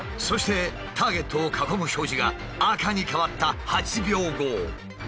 そしてターゲットを囲む表示が赤に変わった８秒後。